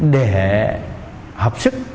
để hợp sức